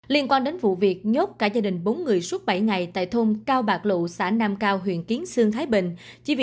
liên quan đến vụ việc nhốt cả gia đình bốn người suốt bảy ngày tại thôn cao bạc lụ xã nam cao huyện kiến sương thái bình